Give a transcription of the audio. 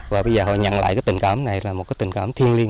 và bây giờ họ nhận lại cái tình cảm này là một cái tình cảm thiên liên